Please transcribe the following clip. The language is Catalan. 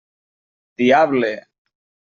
Diable!